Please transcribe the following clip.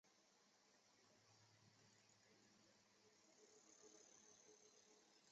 刚刚临时找了一间还有位子的店